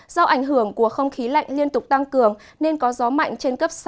do ảnh hưởng của không khí lạnh liên tục tăng cường nên có gió mạnh trên cấp sáu